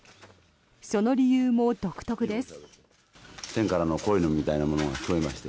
その理由も独特です。